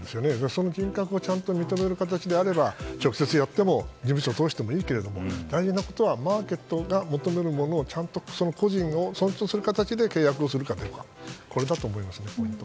その人格をちゃんと認める形なら直接やっても事務所にしてもいいけれども大変なことはマーケットが求めるものをちゃんと個人を尊重する形で契約をするかどうかだと思いますね。